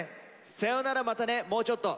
「さよならまたねもうちょっと」。